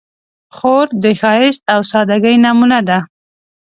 خور د ښایست او سادګۍ نمونه ده.